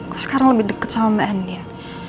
gue sekarang lebih deket sama mbak endin